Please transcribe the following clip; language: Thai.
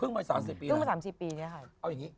เพิ่งมาสามสี่ปี